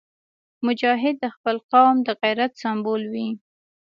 مجاهد د خپل قوم د غیرت سمبول وي.